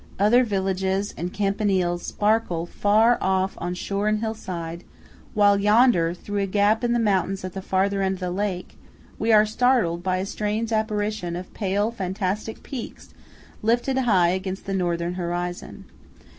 Other villages and campaniles sparkle far off on shore and hillside; while yonder, through a gap in the mountains at the farther end of the lake, we are startled by a strange apparition of pale fantastic peaks lifted high against the northern horizon.